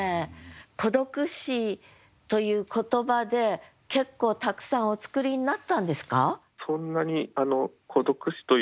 孤独死という言葉で結構たくさんお作りになったんですか？